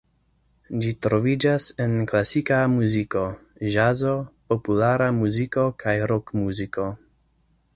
Ĝi troviĝas en klasika muziko, ĵazo, populara muziko kaj rokmuziko.